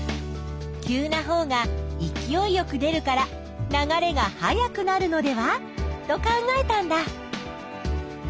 急なほうがいきおいよく出るから流れが速くなるのではと考えたんだ。